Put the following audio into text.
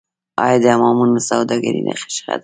آیا د حمامونو سوداګري ښه ده؟